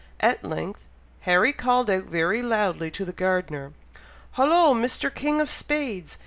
At length Harry called out very loudly to the gardener, "Hollo! Mr. King of Spades!